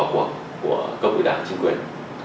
có cái sức khỏe của cộng đồng đảng chính quyền